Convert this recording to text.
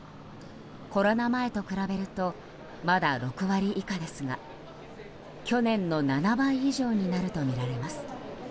コロナ前に比べるとまだ６割以下ですが去年の７倍以上になるとみられます。